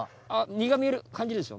実が見える感じでしょ？